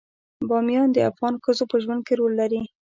بامیان د افغان ښځو په ژوند کې رول لري.